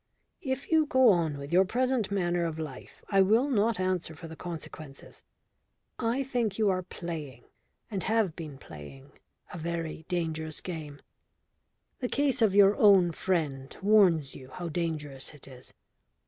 "If you go on with your present manner of life I will not answer for the consequences. I think you are playing, and have been playing, a very dangerous game; the case of your own friend warns you how dangerous it is.